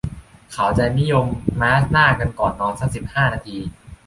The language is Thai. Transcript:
เขาจะนิยมมาสก์หน้าก่อนนอนสัก สิบห้า นาที